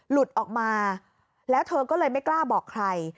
หลุดออกมาแล้วเธอก็เลยไม่กล้าบอกใคร